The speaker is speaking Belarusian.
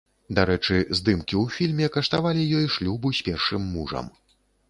Дарэчы, здымкі ў фільме каштавалі ёй шлюбу з першым мужам.